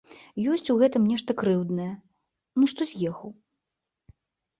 Ёсць у гэтым нешта крыўднае, ну, што з'ехаў.